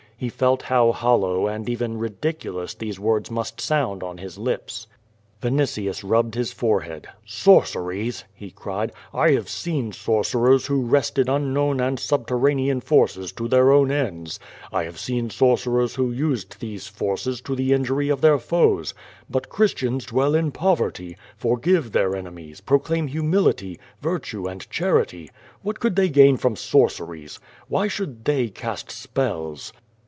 He felt how hollow and even ridiculous these words must sound on his lips. Vinitius rubbed his forehead. "Sorceries!" he cried. "I have seen sorcerers who wrested unknown and subterranean forces to their own ends. I have seen sorcerers who useil these forces to the injury of their foes. J3ut Christians dwell in poverty, forgive tiieir enemies, proclaim humility, virtue and charity. What could they gain from sorceries? Why should they cast spells?''